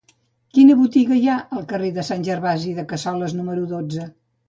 Quina botiga hi ha al carrer de Sant Gervasi de Cassoles número dotze?